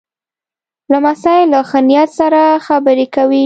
لمسی له ښه نیت سره خبرې کوي.